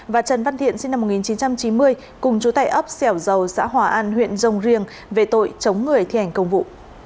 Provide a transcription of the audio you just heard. và trần văn thiện sinh năm một nghìn chín trăm chín mươi cùng chú tài ấp xẻo dầu xã hòa an huyện rồng riềng về tội chống người thi hành công vụ